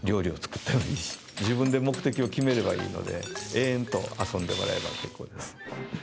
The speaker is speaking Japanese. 自分で目的を決めればいいので延々と遊んでもらえれば結構です。